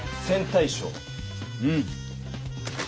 うん。